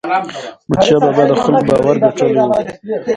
احمدشاه بابا د خلکو باور ګټلی و.